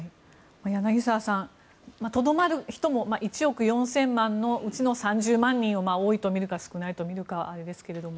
柳澤さん、とどまる人も１億４０００万のうちの３０万人を多いとみるか少ないとみるかですけど。